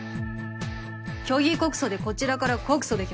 虚偽告訴でこちらから告訴できますが